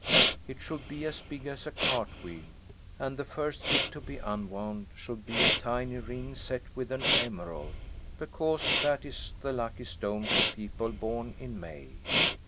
It should be as big as a cart wheel, and the first gift to be unwound should be a tiny ring set with an emerald, because that is the lucky stone for people born in May.